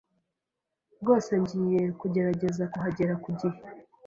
Rwose ngiye kugerageza kuhagera ku gihe.